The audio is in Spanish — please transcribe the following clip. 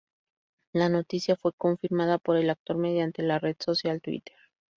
La noticia fue confirmada por el actor mediante la red social, Twitter.